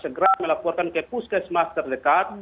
segera melaporkan ke puskesmas terdekat